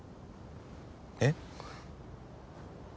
えっ？